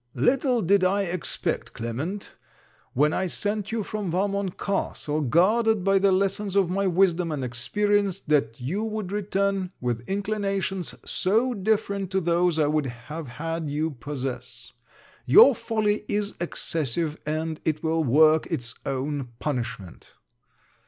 'Little did I expect, Clement, when I sent you from Valmont castle, guarded by the lessons of my wisdom and experience, that you would return with inclinations so different to those I would have had you possess. Your folly is excessive, and it will work its own punishment.'